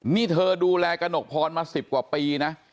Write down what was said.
นี่เธอดูแลกระหนกพรมา๑๐กว่าปีนะ